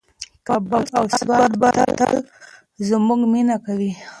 کابل او سوات به تل زموږ په مینه کې وي.